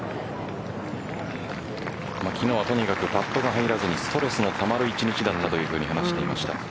昨日はとにかくパットが入らずに、ストレスのたまる１日だったと話していました。